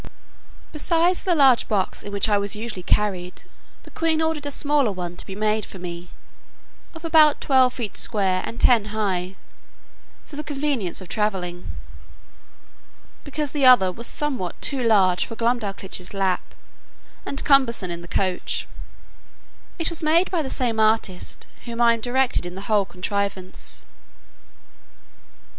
Besides the large box in which I was usually carried, the queen ordered a smaller one to be made for me, of about twelve feet square, and ten high, for the convenience of travelling; because the other was somewhat too large for Glumdalclitch's lap, and cumbersome in the coach; it was made by the same artist, whom I directed in the whole contrivance.